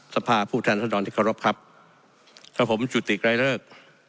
สภาผู้แทนทนอนที่ขอรับครับครับผมจุติกรายเลิก